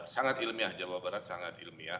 sangat ilmiah jawa barat sangat ilmiah